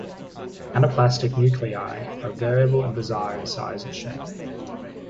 Anaplastic nuclei are variable and bizarre in size and shape.